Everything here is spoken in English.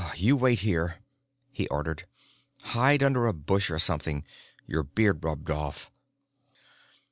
"You wait here," he ordered. "Hide under a bush or something—your beard rubbed off."